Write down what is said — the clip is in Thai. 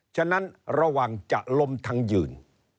ฉะนั้นระวังจะลมทั้งยืน